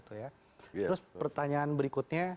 terus pertanyaan berikutnya